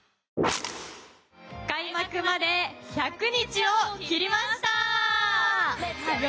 開幕まで１００日を切りました！